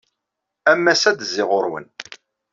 Am wass-a ad d-zziɣ ɣur-wen.